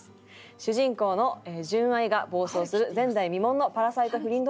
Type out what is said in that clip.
主人公の純愛が暴走する前代未聞のパラサイト不倫ドラマです。